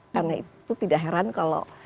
karena itu tidak heran kalau